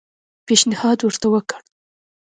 پېشنهاد ورته وکړ.